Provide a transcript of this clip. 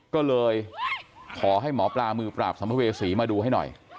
ก็เลยขอให้หมอปลามือปราบสัมภเวษีมาดูให้หน่อย